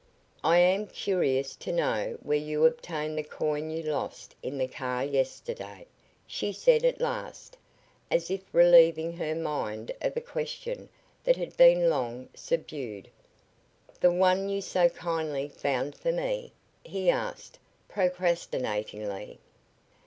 "I am curious to know where you obtained the coin you lost in the car yesterday," she said at last, as if relieving her mind of a question that had been long subdued. "The one you so kindly found for me?" he asked, procrastinatingly.